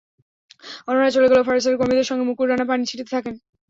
অন্যরা চলে গেলেও ফায়ার সার্ভিস কর্মীদের সঙ্গে মুকুল রানা পানি ছিটাতে থাকেন।